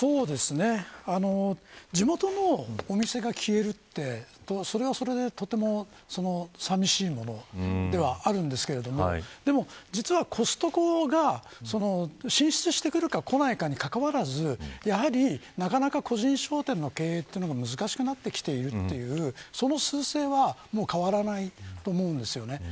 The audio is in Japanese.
地元のお店が消えるってそれはそれでとても寂しいものではあるんですけど実はコストコが進出してくるかこないかにかかわらずなかなか個人商店の経営は難しくなってきているということは変わらないと思います。